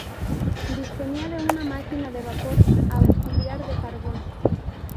Disponía de una máquina de vapor auxiliar de carbón.